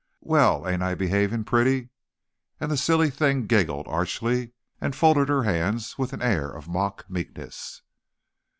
"Well, ain't I behaving pretty?" and the silly thing giggled archly and folded her hands with an air of mock meekness.